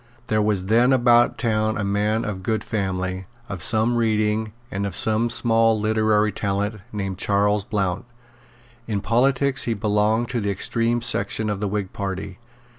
There was then about town a man of good family, of some reading, and of some small literary talent, named Charles Blount. In politics he belonged to the extreme section of the Whig party.